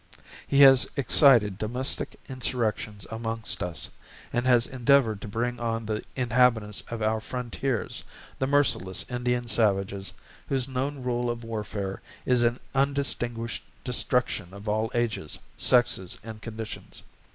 He has excited domestic insurrections amongst us, and has endeavoured to bring on the inhabitants of our frontiers, the merciless Indian Savages, whose known rule of warfare, is an undistinguished destruction of all ages, sexes and conditions.